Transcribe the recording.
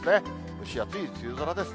蒸し暑い梅雨空です。